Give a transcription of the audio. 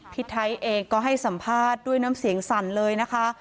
พี่ไทยเองก็ให้สัมภาษณ์ด้วยน้ำเสียงสั่นเลยนะคะ